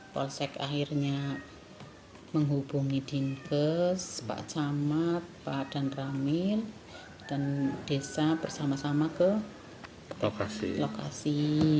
polsek akhirnya menghubungi dinkes pak camat pak dan ramil dan desa bersama sama ke lokasi